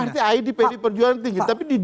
artinya id pdi perjuangan tinggi tapi di d